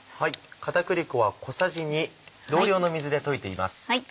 片栗粉は小さじ２同量の水で溶いています。